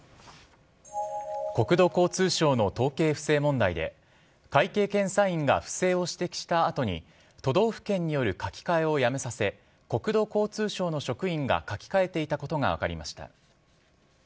国土交通省の統計不正問題で会計検査院が不正を指摘した後に都道府県による書き換えをやめさせ国土交通省の職員が書き換えていたことが分かりました。